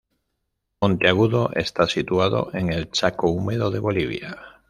Monteagudo está situado en el Chaco húmedo de Bolivia.